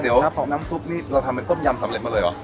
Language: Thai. เดี๋ยวน้ำซุปนี่เราทำเป็นต้มยำสำเร็จมาเลยเหรอ